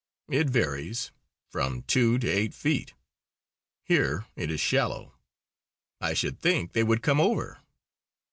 "It varies from two to eight feet. Here it is shallow." "I should think they would come over."